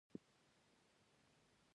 پیلوټ د آسمان د ښکلا خوند اخلي.